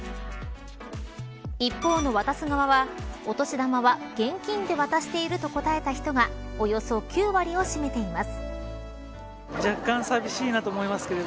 一方の渡す側は、お年玉は現金で渡していると答えた人がおよそ９割を占めています。